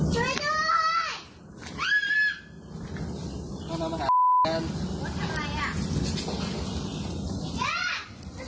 ช่วยช่วย